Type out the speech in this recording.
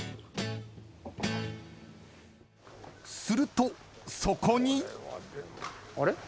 ［するとそこに］